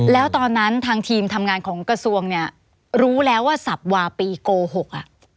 แล้วตอนนั้นทางทีมทำงานของกระทรวงเนี่ยรู้แล้วว่าสับวาปีโกหกอ่ะ